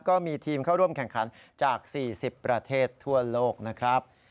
ก็มีทีมเข้าร่วมแข่งขันจาก๔๐ประเทศทั่วโลกนะครับ